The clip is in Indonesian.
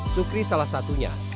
sukri salah satunya